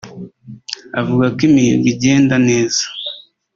avuga ko imihigo igenda neza